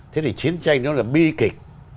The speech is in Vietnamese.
thế thì chiến tranh nó là bi kịch